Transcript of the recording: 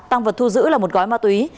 tăng vật thu giữ là một gói ma túy